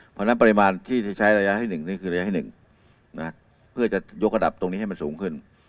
เพราะฉะนั้นปริมาณที่จะใช้ระยะที่๑นี่คือระยะที่๑เพื่อจะยกระดับตรงนี้ให้มันสูงขึ้น